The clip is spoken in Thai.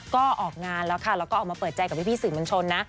ก็ออกงานแล้วค่ะแล้วก็ออกมาเปิดใจกับพี่สื่อมวลชนนะ